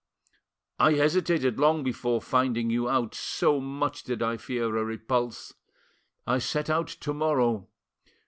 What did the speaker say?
"I hesitated long before finding you out, so much did I fear a repulse. I set out to morrow.